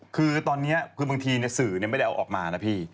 คือตอนนี้คือบางทีสื่อไม่ได้เอาออกมานะพี่